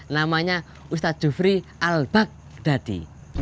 namanya ustadz jufri al baghdadi